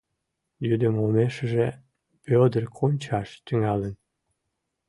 Йӱдым омешыже Вӧдыр кончаш тӱҥалын.